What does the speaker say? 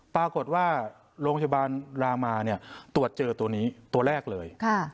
ปรากฏว่าโรงพยาบาลรามาเนี่ยตรวจเจอตัวนี้ตัวแรกเลย